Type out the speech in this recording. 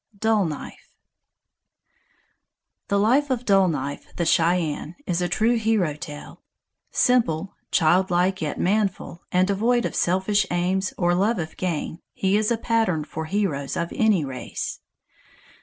DULL KNIFE The life of Dull Knife, the Cheyenne, is a true hero tale. Simple, child like yet manful, and devoid of selfish aims, or love of gain, he is a pattern for heroes of any race.